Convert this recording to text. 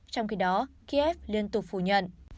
trong khi đó kiev liên tục phủ nhận